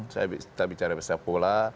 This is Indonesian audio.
saya bicara sepak bola